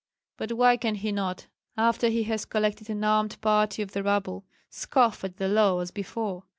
But why can he not, after he has collected an armed party of the rabble, scoff at the law as before?